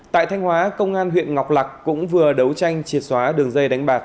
tại thanh hóa công an huyện ngọc lạc cũng vừa đấu tranh triệt xóa đường dây đánh bạc